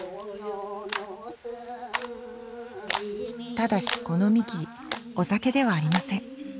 ただしこのみきお酒ではありません。